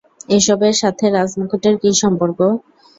এসবের সাথে রাজ-মুকুটের কী সম্পর্ক?